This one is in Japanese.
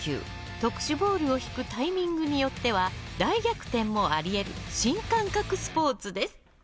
特殊ボールを引くタイミングによっては大逆転もあり得る新感覚スポーツです。